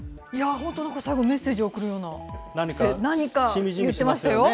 本当、なんか最後、メッセージを送るような、何か言ってましたよ。